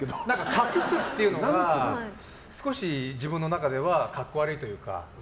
隠すっていうのが少し、自分の中で格好悪いというか。